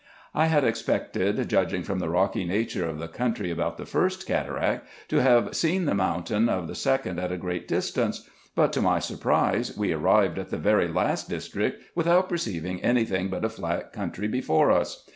I had expected, judging from the rocky nature of the country about the first cataract, to have seen the mountain of the second at a great distance ; but to my surprise we arrived at the very last district, without perceiving any thing but a flat country before us.